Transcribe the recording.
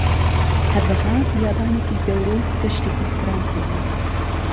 هەروەها بیابانێکی گەورە و دەشتێکی فران هەیە